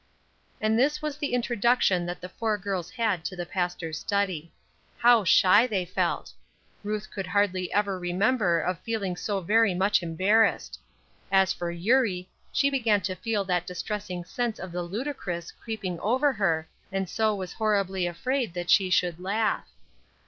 And this was the introduction that the four girls had to the pastor's study. How shy they felt! Ruth could hardly ever remember of feeling so very much embarrassed. As for Eurie, she began to feel that distressing sense of the ludicrous creeping over her, and so was horribly afraid that she should laugh.